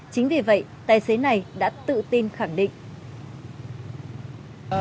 chính vì vậy tài xế này đã tự tin khẳng định